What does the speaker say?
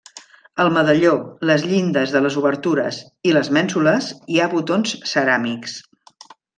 Al medalló, les llindes de les obertures i les mènsules hi ha botons ceràmics.